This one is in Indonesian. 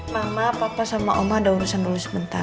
mama papa sama oma ada urusan dulu sebentar